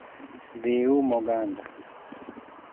Dhi ium oganda